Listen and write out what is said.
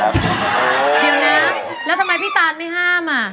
ทีมนะแล้วทำไมพี่ตานไม่ห้ามอ่ะ